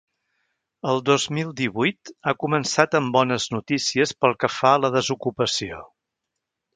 El dos mil divuit ha començat amb bones notícies pel que fa a la desocupació.